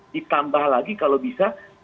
ditambah lagi kalau bisa